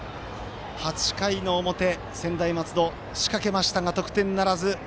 ８回の表、専大松戸仕掛けましたが得点ならず。